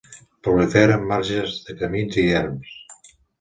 Prolifera en marges de camins i erms.